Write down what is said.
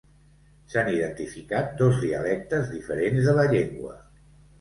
S'han identificat dos dialectes diferents de la llengua.